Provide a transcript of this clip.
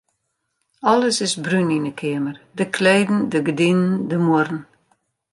Alles is brún yn 'e keamer: de kleden, de gerdinen, de muorren.